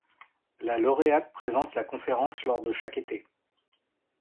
La lauréate présente la conférence lors de chaque été.